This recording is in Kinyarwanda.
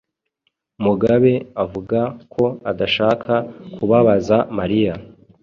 Mugabe avuga ko adashaka kubabaza Mariya.